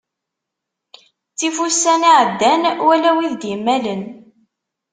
Ttif ussan iɛeddan wala wid d-immalen.